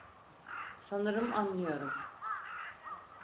Sanırım anlıyorum.